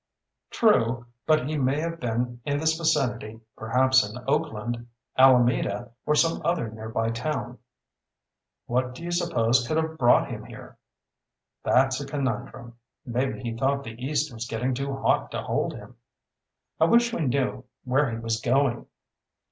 "True. But he may have been in this vicinity, perhaps in Oakland, Alameda, or some other nearby town." "What do you suppose could have brought him here?" "That's a conundrum. Maybe he thought the East was getting too hot to hold him." "I wish we knew where he was going."